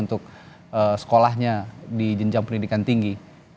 untuk sekolahnya di jenjang pendidikan tinggi